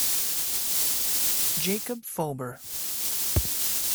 Jakub Fober.